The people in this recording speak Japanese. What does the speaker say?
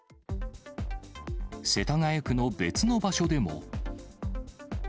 世田谷区の別の場所でも。